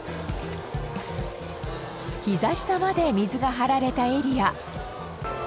ひざ下まで水が張られたエリア。